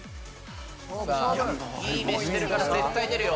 いい目してるから絶対出るよ。